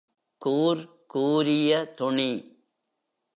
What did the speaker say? கூர் கூரிய துணி.